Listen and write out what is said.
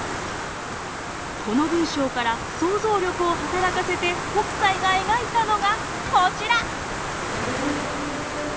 この文章から想像力を働かせて北斎が描いたのがこちら！